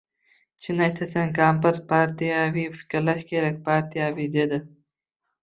— Chin aytasan, kampir, partiyaviy fikrlash kerak, partiyaviy, — dedi.